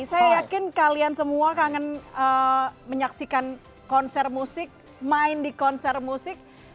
saya yakin kalian semua kangen menyaksikan konser musik main di konser musik